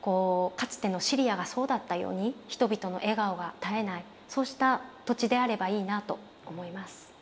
かつてのシリアがそうだったように人々の笑顔が絶えないそうした土地であればいいなと思います。